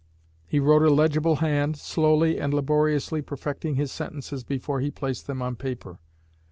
He wrote a legible hand, slowly and laboriously perfecting his sentences before he placed them on paper.